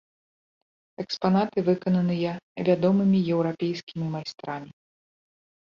Экспанаты выкананыя вядомымі еўрапейскімі майстрамі.